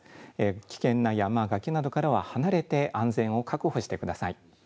危険な山、崖などからは離れて安全を確保してください。